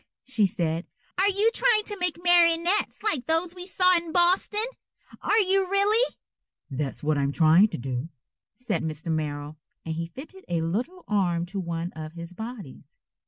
_" she said. "Are you trying to make marionettes like those we saw in Boston? Are you really?" "That's what I'm trying to do," said Mr. Merrill, and he fitted a little arm to one of his bodies.